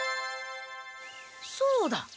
そうだ！